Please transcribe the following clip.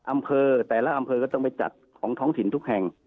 อำเภอแต่ละอำเภอก็ต้องไปจัดของท้องถิ่นทุกแห่ง